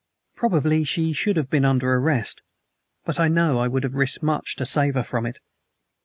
Probably she should have been under arrest, but I know I would have risked much to save her from it.